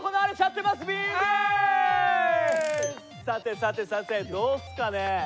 さてさてさてどうっすかね？